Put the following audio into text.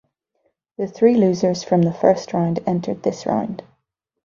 The three losers from the first round entered this round.